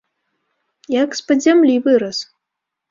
Як з-пад зямлі вырас!